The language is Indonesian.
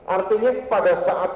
artinya pada saat